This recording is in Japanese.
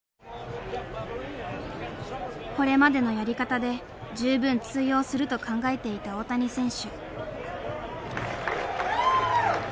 これまでのやり方で十分通用すると考えていた大谷選手。